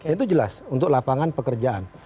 itu jelas untuk lapangan pekerjaan